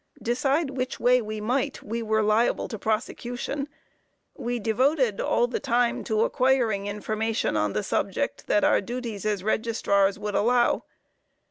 "Decide which way we might, we were liable to prosecution. We devoted all the time to acquiring information on the subject, that our duties as Registrars would allow.